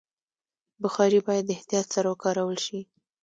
بخاري باید د احتیاط سره وکارول شي.